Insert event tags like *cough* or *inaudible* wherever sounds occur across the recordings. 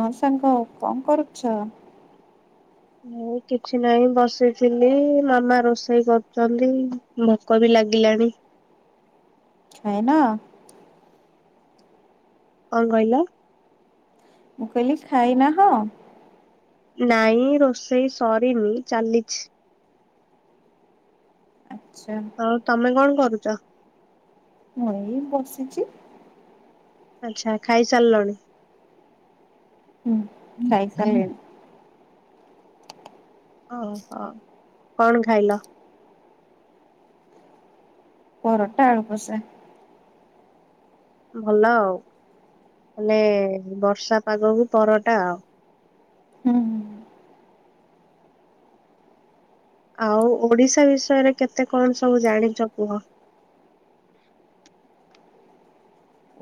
ହଁ ସାଙ୍ଗ କଣ କରୁଛ? ଏଇ କିଛି ନାଇଁ ବସିଥିଲି ମାମା ରୋଷେଇ କରୁଛନ୍ତି ଭୋକ ବି ଲାଗିଲାଣି। ଖାଇନ? କଣ କହିଲ? ମୁଁ କହିଲି ଖାଇନାହଁ। ନାଇଁ ରୋଷେଇ ସରିନି ଚାଲିଛି। ଆଚ୍ଛା ଆଉ ତମେ କଣ କରୁଛ? ମୁଁ ଏଇ ବସିଛି। ଆଚ୍ଛା ଖାଇସାରିଲଣି? ହୁଁ ଖାଇ ସାରିଲେଣି। ଓ ହୋ କଣ ଖାଇଲ? ପରଟା ଆଳୁ କସା। ଭଲ ଆଉ ମାନେ ବର୍ଷା ପାଗକୁ ପରଟା ଆଉ। ହୁଁ ଆଉ ଓଡିଶା ବିଷୟରେ କେତେ କଣ ସବୁ ଜାଣିଛ କୁହ।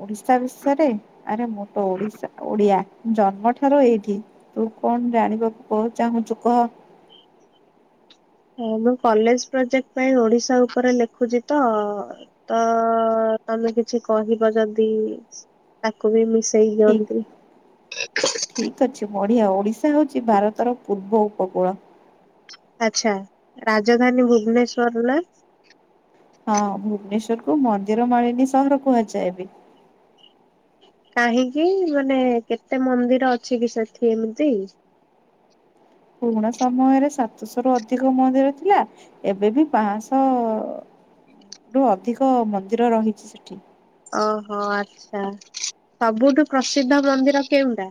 ଓଡିଶା ବିଷୟରେ ଆରେ ମୁଁ ତ ଓଡିଶା ଓଡିଆ ଜନ୍ମ ଠାରୁ ଏଇଠି ତୁ କଣ ଜାଣିବାକୁ କଣ ଚାହୁଁଛୁ କହ? ହ ମୁଁ କଲେଜ ପ୍ରୋଜେକ୍ଟ ପାଇଁ ଓଡିଶା ଉପରେ ଲେଖୁଛି ତ ତ ତମେ କିଛି କହିବ ଯଦି ତାକୁ ବି ମିଶେଇ ଦିଅନ୍ତି। ଠିକ ଅଛି ବଢିଆ ଓଡିଶା ହଉଚି ଭାରତର ପୂର୍ବ ଉପକୂଳ। ଆଛା ରାଜଧାନୀ ଭୁବନେଶ୍ୱର ନା? ହଁ ଭୁବନେଶ୍ଵର କୁ ମନ୍ଦିର ମାଳିନୀ ସହର କୁହାଯାଏ ବି। କାହିଁକି ମାନେ କେତେ ମନ୍ଦିର ଅଛି କି ସେଠି ଏମିତି? *inaudible* ପୁରୁଣା ସମୟରେ ସାତଶହ ରୁ ଅଧିକ ମନ୍ଦିର ଥିଲା ଏବେ ବି ପାଆଁଶହ ରୁ ଅଧିକ ମନ୍ଦିର ରହିଚି ସେଠି। ଓହୋ ଆଚ୍ଛା ସବୁଠୁ ପ୍ରସିଦ୍ଧ ମନ୍ଦିର କେଉଁଟା?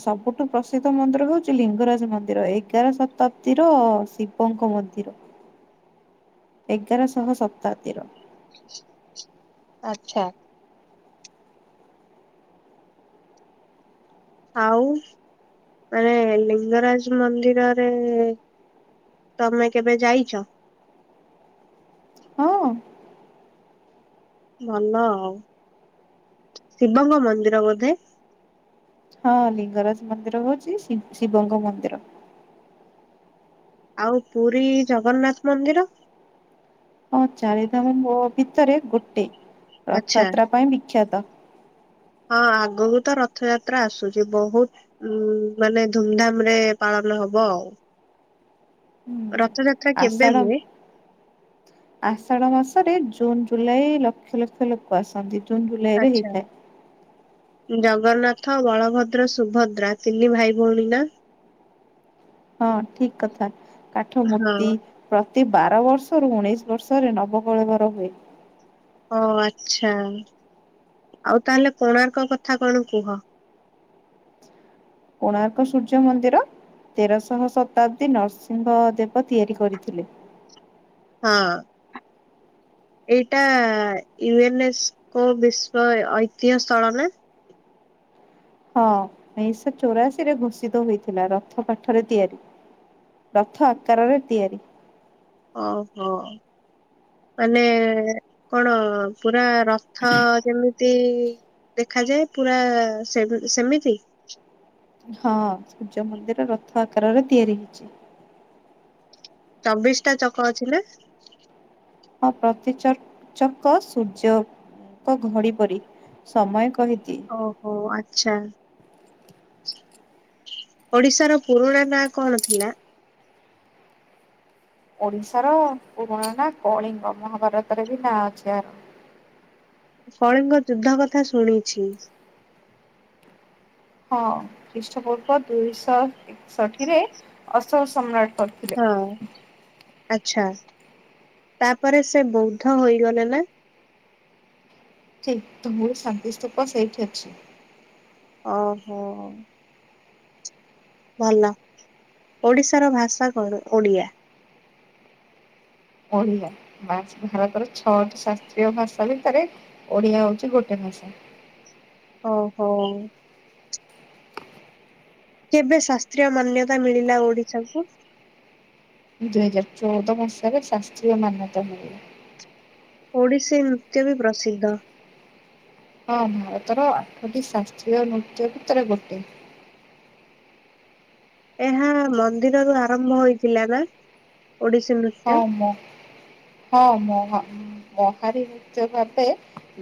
ସବୁଠୁ ପ୍ରସିଦ୍ଧ ମନ୍ଦିର ହଉଚି ଲିଙ୍ଗରାଜ ମନ୍ଦିର ଏଗାର ଶତାବ୍ଦୀର ଶିବଙ୍କ ଙ୍କ ମନ୍ଦିର ଏଗାରଶହ ଶତାବ୍ଦୀର ଆଚ୍ଛା। ଆଉ ଆରେ ଲିଙ୍ଗରାଜ ମନ୍ଦିରରେ ତମେ କେବେ ଯାଇଚ? ହଁ। ଭଲ ଆଉ। ଶିବଙ୍କ ମନ୍ଦିର ବୋଧେ? ହଁ ଲିଙ୍ଗରାଜ ମନ୍ଦିର ହଉଛି ଶି ଶିବଙ୍କ ମନ୍ଦିର। ଆଉ ପୁରୀ ଜଗନ୍ନାଥ ମନ୍ଦିର? ହଁ ଚାରିଧାମ ମୋ ଭିତରେ ଗୋଟେ। ଆଚ୍ଛା ରଥଯାତ୍ରା ପାଇଁ ବିଖ୍ୟାତ। ହଁ ଆଗକୁ ତ ରଥଯାତ୍ରା ଆସୁଚି। ବହୁତ ଉ ମାନେ ଧୁମଧାମ ରେ ପାଳନ ଭଲ ହବ ଆଉ। ରଥଯାତ୍ରା କେବେ ଆଷାଢ! ହୁଏ? ଆଷାଢ ମାସରେ June June - July lakh lakh ଲୋକ ଆସନ୍ତି ଜୁନ୍ ଜୁଲାଇ ରେ ଆଚ୍ଛା ହେଇଥାଏ। ଜଗନ୍ନାଥ ବଳଭଦ୍ର ସୁଭଦ୍ରା ତିନି ଭାଇ ଭଉଣୀ ନା? ହଁ ଠିକ୍ କଥା କାଠ ହଁ ମୂର୍ତ୍ତି। ପ୍ର ପ୍ରତି ବାର ବର୍ଷରୁ ଉଣେଇଶ ବର୍ଷରେ ନବକଳବର ହୁଏ। ଓ ଆଚ୍ଛା ଆଉ ତାହେଲେ କୋଣାର୍କ କଥା କଣ କୁହ? କୋଣାର୍କ ସୂର୍ଯ୍ୟ ମନ୍ଦିର- ତେରଶହ ଶତାବ୍ଦୀ ନରସିଂହ ଦେବ ତିଆରି କରିଥିଲେ। ହଁ। ଏଇଟା ୟୁଏନଏସ୍କୋ ବିଶ୍ୱ ଐତିହ୍ୟ ସ୍ଥଳ ନା? ହଁ ଉଣେଇଶହ ଚଉରାଶୀ ରେ ଘୋଷିତ ହୋଇଥିଲା ରଥ କାଠରେ ତିଆରି। ରଥ ଆକାରରେ ତିଆରି। ଓହୋ ମାନେ କଣ ପୁରା- ରଥ ଯେମିତି- ଦେଖାଯାଏ ପୁରା ସେ ସେମିତି। ହଁ ସୂର୍ଯ୍ୟ ମନ୍ଦିର ରଥ ଆକାରରେ ତିଆରି ହେଇଚି। ଚବିଶ ଟା ଚକ ଅଛିନା? ହଁ ପ୍ରତିଚକ ଚକ ସୂର୍ଯ୍ୟଙ୍କ ଘଡି ପରି। ସମୟ କହିଦିଏ। ଓହୋ ଆଚ୍ଛା। ଓଡିଶାର ପୁରୁଣା ନାଁ କଣ ଥିଲା? ଓଡିଶାର ପୁରୁଣା ନା କଳିଙ୍ଗ ମହାଭାରତରେ ବି ନାଁ ଅଛି ଆର। *inaudible* କଳିଙ୍ଗ ଯୁଦ୍ଧ କଥା ଶୁଣିଛି। ହଁ ଖ୍ରୀଷ୍ଟ ପୂର୍ବ ଦୁଇଶହ ଏକଷଠି ରେ ଅଶୋକ ସମ୍ରାଟ। କରିଥିଲେ। ହଁ ଆଚ୍ଛା। ତାପରେ ସେ ବୌଦ୍ଧ ହୋଇଗଲେ ନା? ସେ ତ ମୋରଶାନ୍ତିଷ୍ଟପସେଇଠି ଅଛି। ଓହୋ। ଭଲ ଓଡିଶାର ଭାଷା କଣ ଓଡିଆ? ଓଡିଆମାତୃ ଭାରତର ଛଅଟି ଶାସ୍ତ୍ରୀୟ ଭାଷା ଭିତରେ ଓଡିଆ ହଉଛି ଗୋଟେ ଆଛା। ଓ ହୋ। କେବେ ଶାସ୍ତ୍ରୀୟ ମାନ୍ୟତା ମିଳିଲା ଓଡିଶାକୁ? ଦୁଇ ହଜାର ଚଉଦ ମସିହାରେ ଶାସ୍ତ୍ରୀୟ ମାନ୍ୟତା ମିଳିଲା। ଓଡ଼ିଶୀ ନୃତ୍ୟ ବି ପ୍ରସିଦ୍ଧ। ହଁ ଭାରତର ଆଠଟି ଶାସ୍ତ୍ରୀୟ ନୃତ୍ୟ ଭିତରେ ଗୋଟେ। ଏହା ମନ୍ଦିରରୁ ଆରମ୍ଭ ହୋଇଇଥିଲା ନା? ଓଡିଶୀ ହଁ ନୃତ୍ୟ ମ ହଁ ମ। ମହାରି ନୃତ୍ୟ ଭାବେ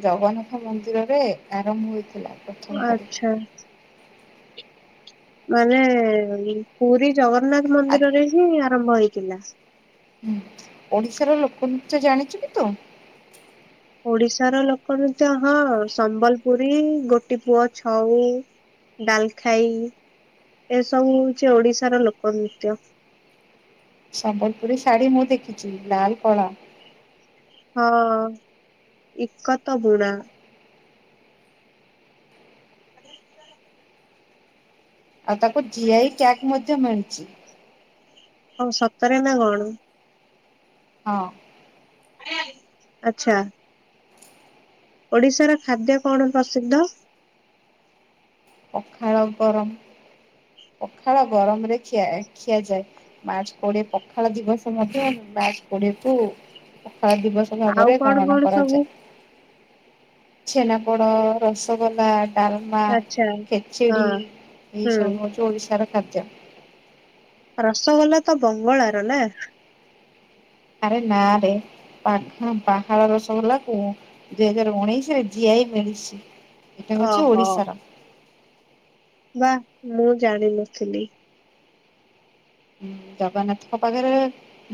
ଜଗନ୍ନାଥ ମନ୍ଦିରରେ ଆରମ୍ଭ ହୋଇଥିଲା। ପ୍ରଥମ ଓ କରି ଆଛା ମାନେ ପୁରୀ ଜଗନ୍ନାଥ ଆ ମନ୍ଦିରରେ ହିଁ ଆରମ୍ଭ ହେଇଥିଲା? ହୁଁ ଓଡିଶାର ଲୋକନୃତ୍ୟ ଜାଣିଛୁ କି ତୁ? ଓଡିଶାର ଲୋକନୃତ୍ୟ ହଁ ସମ୍ବଲପୁରୀ ଗୋଟି ପୁଅ ଛଉ। ଡାଲ ଖାଇ। ଏସବୁ ହଉଚି ଓଡିଶାର ଲୋକ ନୃତ୍ୟ। ସମ୍ବଲପୁରୀ ଶାଢ଼ୀ ମୁଁ ଦେଖିଚି ଲାଲ କଳା। ହଁ ଇକତ ବୁଣା। *inaudible* ଆଉ ତାକୁ ଜିଆଇ ଟ୍ୟାଗ ମଧ୍ୟ ମିଳିଛି। ହଉ ସତରେ ନା କଣ! ହଁ। ଆଚ୍ଛା। ଓଡିଶାର ଖାଦ୍ୟ କଣ ପ୍ରସିଦ୍ଧ! ପଖାଳ ଗରମ। ପଖାଳ ଗରମରେ ଖିଆ ଖିଆଯାଏ ମାର୍ଚ୍ଚ କୋଡିଏ ପଖାଳ ଦିବସ ମଧ୍ୟ ମାର୍ଚ୍ଚ କୋଡିଏକୁୁ ପଖାଳ ଦିବସ ଆଉ ଭାବରେ କଣ ଗଣନା କଣ ସବୁ କରାଯାଏ। ଛେନାପୋଡ, ରସଗୋଲା। ଡାଲମା ଆଚ୍ଛା ଖେଚଡ଼ି ହଁ ଏଇସବୁ ହୁଁ ହଉଚି ଓଡ଼ିଶାର ଖାଦ୍ୟ। ରସଗୋଲା ତ ବଙ୍ଗଳାର ନା? ଆରେ ନାଁରେ। ପାଖ ପାହାଳ ରସଗୋଲାକୁ ଦୁଇ ହଜାର ଉଣେଇଶରେ ଜି ଆଇ ମିଳିଚି। ଏଟା ହଉଚି ଓହୋ ଓଡ଼ିଶାର। ବା ମୁଁ ଜାଣିନଥିଲି। ଜଗନ୍ନାଥଙ୍କ ପାଖରେ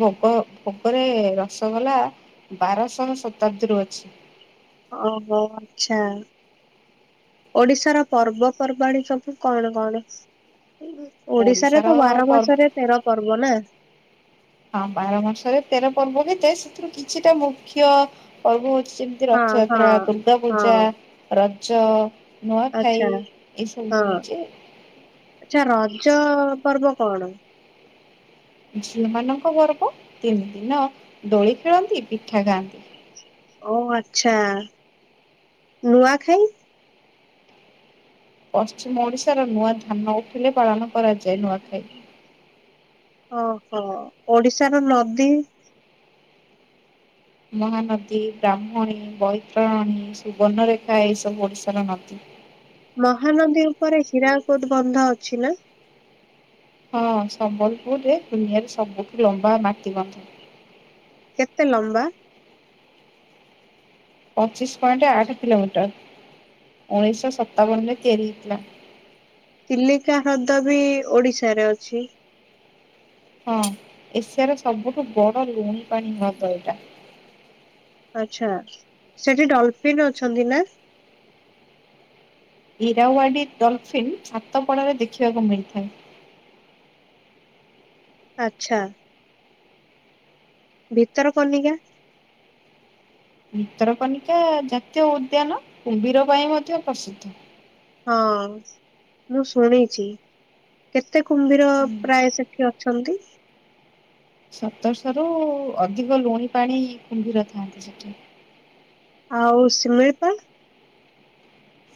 ଭୋଗ ଭୋଗରେ ରସ ଗଲା ବାରଶହ ଶତାବ୍ଦୀରୁ ଅଛି। ଓ ହୋ ଆଚଛା। ଓଡ଼ିଶାର ପର୍ବପର୍ବାଣୀ ସବୁ କଣ କଣ? ଓଡିଶାରେ ଓଡିଶାର ତ ବାର ପର୍ବ ମାସରେ ତେର ପର୍ବ ନା? ହଁ ବାର ମାସରେ ତେର ପର୍ବ ଯେ ସେଥିରୁ କିଛିଟା ମୁଖ୍ୟ ପର୍ବ ହଉ ଯେମିତି ହଁ ହଁ ରଥଯାତ୍ରା ଦୁର୍ଗା ହଁ ପୂଜା ରଜ ନୂଆଖାଇ ଆଚ୍ଛା ଏସବୁ ହଉଚି ଆଛା ରଜ ପର୍ବ କଣ? ଝିଅ ମାନଙ୍କ ପର୍ବ। ତିନି ଦିନ ଦୋଳି ଖେଳନ୍ତି। ପିଠା ଖାଆନ୍ତି। ଓ ଆଚ୍ଛା ନୂଆ ଖାଇ? ପଶ୍ଚିମ ଓଡିଶାର ନୂଆ ଧାନ ଉଠିଲେ ପାଳନ କରାଯାଏ ନୂଆଖାଇ। ଓହୋ ଓଡିଶାର ନଦୀ? ମହାନଦୀ ବ୍ରାହ୍ମଣୀ ବୈତରଣୀ ସୁବର୍ଣ୍ଣରେଖା ଏ ସବୁ ଓଡିଶାର ନଦୀ। ମହାନଦୀ ଉପରେ ହୀରା କୋଦ ବନ୍ଧ ଅଛି ନା? ହଁ ସମ୍ବଲପୁରରେ ଦୁନିଆରେ ସବୁଠୁ ଲମ୍ବା ମାଟିିବନ୍ଧ। କେତେ ଲମ୍ବା? ପଚିଶ ପଏଣ୍ଟ ଆଠ କିଲୋମିଟର। ଉଣେଇଶ ସତାବନରେ ତିଆରି ହେଇଥିଲା। ଚିଲିକା ହ୍ରଦ ବି ଓଡିଶାରେ ଅଛି? ହଁ ଏସିଆର ସବୁଠୁ ବଡ ଲୁଣୀ ପାଣି ହ୍ରଦ ଏଇଟା। ଆଛା ସେଠି ଡଲଫିିନ ଅଛନ୍ତି ନା? ଇରାୱାଡି ଡଲଫିନ୍ ଛାତପଡ଼ାରେ ଦେଖିବାକୁ ମିଳିଥାଏ। ଆଚ୍ଛା। ଭିତର କନିକା। ଭିତରକନିକା ଜାତୀୟ ଉଦ୍ୟାନ କୁମ୍ଭୀର ପାଇଁ ମଧ୍ୟ ପ୍ରସିଦ୍ଧ। ହଁ ମୁଁ ଶୁଣିଛି କେ ଏତେ କୁମ୍ଭୀର ହୁଁ ପ୍ରାୟ ସେଠି ଅଛନ୍ତି? ସତରଶହ ରୁ ଅଧିକ ଲୁଣି ପାଣି କୁମ୍ଭୀର ଥାନ୍ତି ସେଠି। ଆଉ ସିମିଳିପାଳ?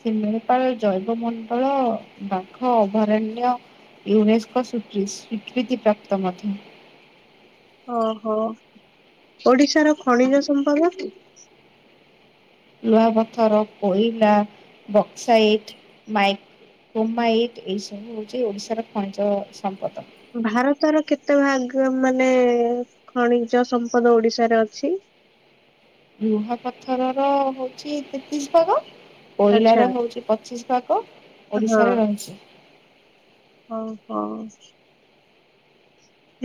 ଶିମିଳିପାଳ ଜୈବ ମଣ୍ଡଳ ବାଘ ଅଭୟାରଣ୍ୟ। ୟୁନେସ୍କୋ ସୁକ୍ରିସ ସ୍ୱୀକୃତିପ୍ରାପ୍ତ ମଧ୍ୟ। ଓହୋ ଓଡିଶାର ଖଣିଜ ସମ୍ପଦ? ଲୁହା ପଥର, କୋଇଲା, ବକ୍ସାଇଟ, ମାଇକ୍। କ୍ରୋମାଇଟ ଏଇ ସବୁ ହଉଛି ଓଡିଶାର ଖଇଞ୍ଚ ସମ୍ପଦ। ଭାରତର କେତେ ଭାଗ ମାନେ ଖଣିଜ ସମ୍ପଦ ଓଡିଶାରେ ଅଛି? ଲୁହାପଥର ର ହଉଛି ତେତିଶ ଭାଗ। କୋଇଲା ଆଚ୍ଛା ର ହଉଛି ପଚିଶ ଭାଗ ହଁ ଓଡିଶାରେ ରହିଛି। ହଁ।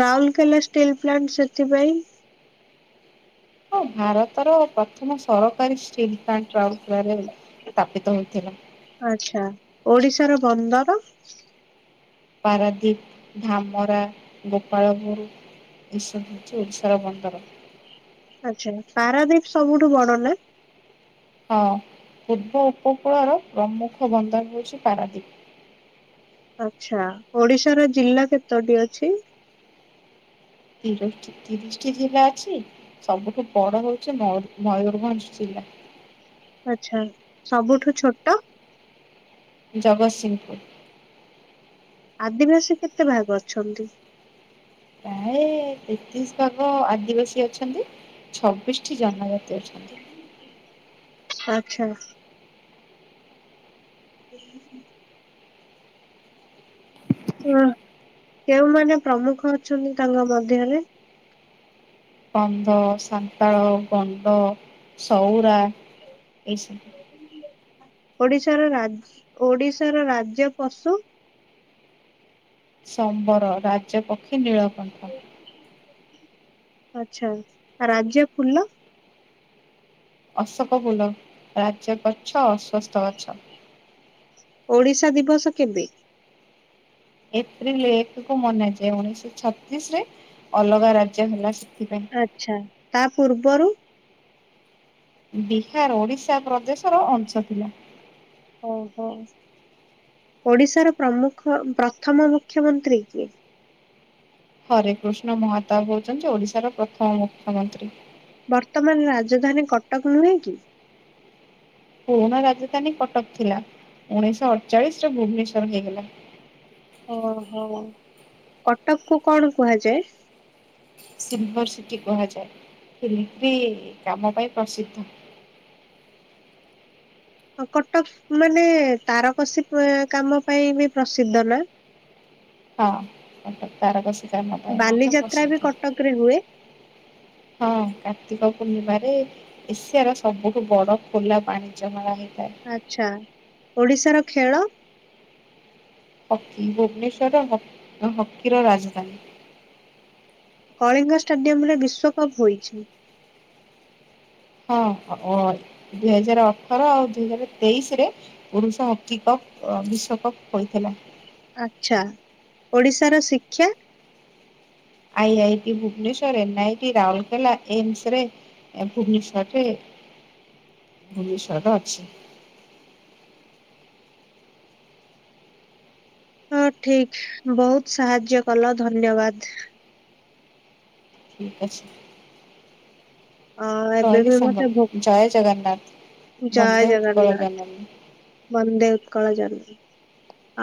ରାଉରକେଲା ଷ୍ଟିଲ୍ ପ୍ଲାଣ୍ଟ ସେଥିପାଇଁ। ଭାରତର ପ୍ରଥମ ସରକାରୀ ଷ୍ଟିଲ୍ ପ୍ଲାଣ୍ଟ ରାଉରକେଲାରେ ସ୍ଥାପିତ ହୋଇଥିଲା। ଆଛା ଓଡିଶାର ବନ୍ଦର? ପାରାଦୀପ, ଧାମରା, ଗୋପାଳପୁର। ଏ ସବୁ ହେଉଛି ଓଡ଼ିଶାର ବନ୍ଦର। ଆଛା ପାରାଦିପ ସବୁଠୁ ବଡ ନା? ହଁ ପୂର୍ବ ଉପକୂଳର ପ୍ରମୁଖ ବନ୍ଦର ହଉଛି ପାରାଦ୍ଵୀପ। ଆଛା, ଓଡିଶାର ଜିଲ୍ଲା କେତୋଟି ଅଛି? ତିଶ ତିରିଶଟି ଜିଲ୍ଲା ଅଛି ସବୁଠୁ ବଡ ହଉଛି ମୟୁ ମୟୂୁରଭଞ୍ଜ ଜିଲ୍ଲା। *inaudible* ଆଛା ସବୁଠୁ ଛୋଟ? ଜଗତସିଂହପୁର। ଆଦିବାସୀ କେତେ ଭାଗ ଅଛନ୍ତି? ପ୍ରାୟ ତେତିଶ ଭାଗ ଆଦିବାସୀ ଅଛନ୍ତି ଛବିଶ ଟି ଜନଜତି। ତୀ ଅଛନ୍ତି। ଆଚ୍ଛା। *inaudible* ହ କେଉଁମାନେ ପ୍ରମୁଖ ଅଛନ୍ତି ତାଙ୍କ ମଧ୍ୟରେ? କନ୍ଧ, ସାନ୍ତାଳ, ଗଣ୍ଡ ସଉରା,। ଏଇ ସବୁ। ଓଡିଶାର ରାଜ ଓଡିଶାର ରାଜ୍ୟ ପଶୁ? ସମ୍ବର, ରାଜପକ୍ଷୀ, ନୀଳକଣ୍ଠ। ଆଛା ରାଜ୍ୟ ଫୁଲ। ଅଶୋକ ଫୁଲ, ରାଜ୍ୟ ଗଛ ଅଶ୍ଵସ୍ଥ ଗଛ। ଓଡିଶା ଦିବସ କେବେ? ଏପ୍ରିଲ ଏକକୁ ମନାଯାଏ ଉଣେଇଶ ଛତିଶ ରେ ଅଲଗା ରାଜ୍ୟ ହେଲା। ସେଥିପାଇଁ। ଆଛା ତା ପୂର୍ବରୁ? ବିହାର ଓଡିଶା ପ୍ରଦେଶର ଅଂଶ ଥିଲା। ଓ ହୋ ଓଡ଼ିଶାର ପ୍ରମୁଖ ପ୍ରଥମ ମୁଖ୍ୟମନ୍ତ୍ରୀ କିଏ? ହରେ କୃଷ୍ଣ ମହାତାବ ହୋଉଚନ୍ତି ଓଡିଶାର ପ୍ରଥମ ମୁଖ୍ୟମନ୍ତ୍ରୀ। ବର୍ତ୍ତମାନ ରାଜଧାନୀ କଟକ ନୁହେଁ କି? ପୁରୁଣା ରାଜଧାନୀ କଟକ ଥିଲା। ଉଣେଇଶହ ଅଠଚାଳିଶ ରେ ଭୁବନେଶ୍ଵର ହେଇଗଲା। ଓହୋ କଟକ କୁ କଣ କୁହାଯାଏ? ସିଲଭରସିଟି କୁହାଯାଏ *unintelligible* କାମ ପାଇଁ ପ୍ରସିଦ୍ଧ। *inaudible* ଆ କଟକ ମାନେ ତାରକସୀ କାମ ପାଇଁ ବି ପ୍ରସିଦ୍ଧ ନା ହଁ କଟକ ତାରକସି କାମ ପାଇଁ ମଧ୍ୟ ବାଲିଯାତ୍ରା ବି ପସିଦ୍ଧ କଟକରେ ହୁଏ ହଁ କାର୍ତ୍ତିକ ପୂର୍ଣ୍ଣିମାରେ ଏସିଆ ର ସବୁଠୁ ବଡ଼ ଖୋଲା ପାଣିଜମା ହେଇ ଆଚ୍ଛା ଓଡ଼ିଶାର ଖେଳ? ହକି ଭୁବନେଶ୍ୱରର ହକି ହକିର ରାଜଧାନୀ। କଳିଙ୍ଗ ଷ୍ଟାଡିୟମ୍ ରେ ବିଶ୍ୱକପ ହୋଇଛି। ହଁ ଦୁଇ ହଜାର ଅଠର ଆଉ ଦୁଇ ହଜାର ତେଇଶ ରେ ପୁରୁଷ ହକି କପ୍ ବିଶ୍ଵକପ ହୋଇଥିଲା। ଆଚ୍ଛା ଓଡ଼ିଶାର ଶିକ୍ଷା? I I T Bhubaneswar N I T Rourkela AIIMS ରେ ଏ ଭୁବନେଶ୍ୱରରେ ଭୁବନେଶ୍ୱରରେ ଅଛି। ହଁ ଠିକ୍ ବହୁତ ସାହାଯ୍ୟ କଲ ଧନ୍ୟବାଦ। ଠିକ୍ ଅଛି। ଅ ଏବେ ରହିଲି ବି ସାଙ୍ଗ ମତେ ଭୋ ଜୟ ଜଗନ୍ନାଥ। ଜୟ ବନ୍ଦେ ଉତ୍କଳ ଜଗନ୍ନାଥ ଜନନୀ। ବନ୍ଦେ ଉତ୍କଳ ଜନନୀ ହଁ।